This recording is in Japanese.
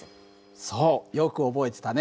そうよく覚えてたね。